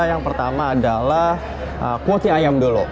yang pertama adalah quoti ayam dulu